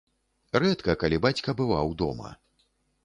Рэдка калі бацька бываў дома.